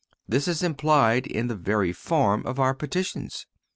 This is implied in the very form of our petitions.